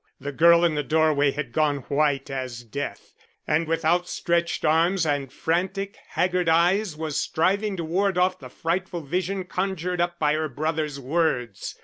The girl in the doorway had gone white as death, and with outstretched arms and frantic, haggard eyes was striving to ward off the frightful vision conjured up by her brother's words.